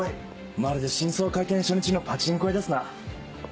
まるで新装開店初日のパチンコ屋ですな。